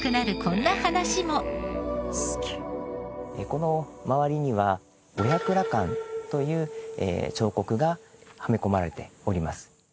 この周りには五百羅漢という彫刻がはめ込まれております。